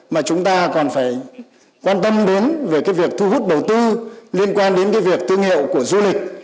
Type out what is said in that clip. mà chúng ta còn phải quan tâm đến về cái việc thu hút đầu tư liên quan đến cái việc thương hiệu của du lịch